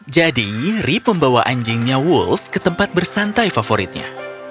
jadi rip membawa anjingnya wolf ke tempat bersantai favoritnya